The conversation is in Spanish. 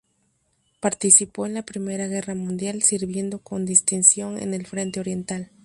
Participó en la I Guerra Mundial sirviendo con distinción en el Frente Oriental.